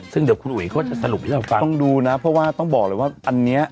ซึ่งเดี๋ยวคุณอุ๋ยเขาจะสรุปให้เราฟังต้องดูนะเพราะว่าต้องบอกเลยว่าอันนี้